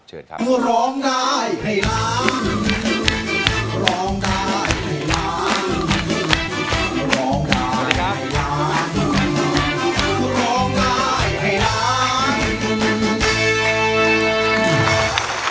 เชิญครับ